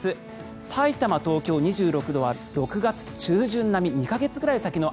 さいたま、東京２６度は６月中旬並み２か月ぐらい先の